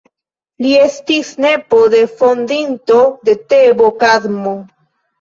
Li estis nepo de fondinto de Tebo Kadmo.